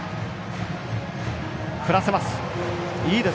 振らせます。